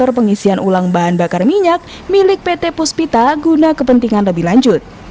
kondisi truk yang ringsek dan hampir masuk ke sungai membuat proses evakuasi berjalan lama dengan mengerahkan dua alat berat